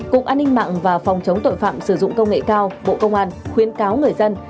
cục an ninh mạng và phòng chống tội phạm sử dụng công nghệ cao bộ công an khuyến cáo người dân